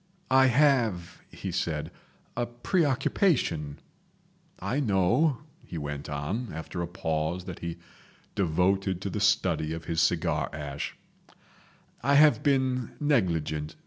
"I have" he said, "a preoccupation—" "I know," he went on, after a pause that he devoted to the study of his cigar ash, "I have been negligent.